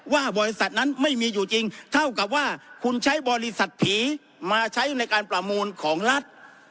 ว่าบริษัทนั้นไม่มีอยู่จริงเท่ากับว่าคุณใช้บริษัทผีมาใช้ในการประมูลของรัฐ